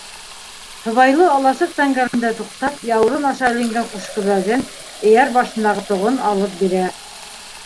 Һыбайлы аласыҡ тәңгәлендә туҡтап, яурын аша эленгән ҡушкөбәген, эйәр башындағы тоғон алып бирә.